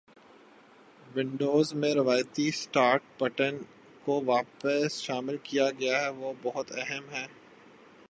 Windows میں روایتی start button کو واپس شامل کیا گیا ہے وہ بہت أہم ہیں